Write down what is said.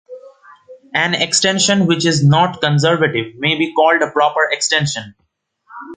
An extension which is not conservative may be called a proper extension.